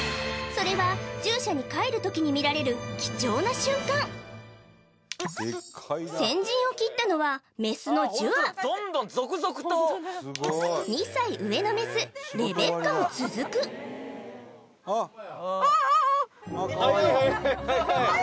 それは獣舎に帰る時に見られる貴重な瞬間先陣を切ったのはメスのジュア２歳上のメスレベッカも続くあーあーあ！